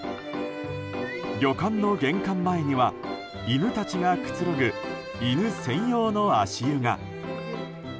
旅館の玄関前には犬たちがくつろぐ犬専用の足湯が。